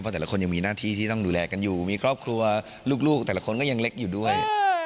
เพราะแต่ละคนยังมีหน้าที่ที่ต้องดูแลกันอยู่มีครอบครัวลูกแต่ละคนก็ยังเล็กอยู่ด้วย